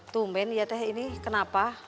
tumben ya teh ini kenapa